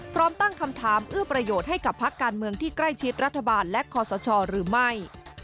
พร้อมตั้งคำถามเอื้อประโยชน์ให้กับพักการเมืองที่ใกล้ชิดรัฐบาลและคอสชหรือไม่